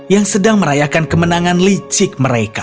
yang sedang merayakan kemenangan licik mereka